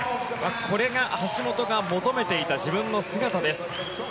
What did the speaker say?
これが橋本が求めていた自分の姿です。